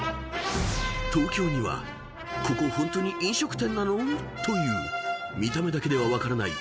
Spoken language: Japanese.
［東京にはここホントに飲食店なの？という見た目だけでは分からない